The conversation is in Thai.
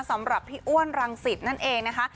สำหรับพี่อ้วนรังสิตนั่นเองนะคะ